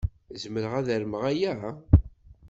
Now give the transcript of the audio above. Zemreɣ ad armeɣ aya?